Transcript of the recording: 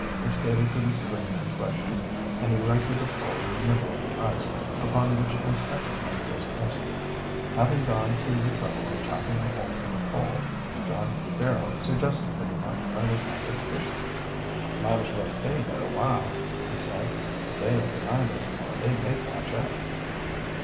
They skated to the stream in question and erected a pole in the middle of the ice, upon which a second note was posted. Having gone to the trouble of chopping a hole for the pole, John Barrow suggested they might try their hand at fishing. "Might as well stay here a while," he said. "If they are behind us, they may catch up."